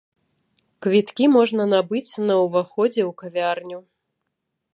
Квіткі можна набыць на ўваходзе ў кавярню.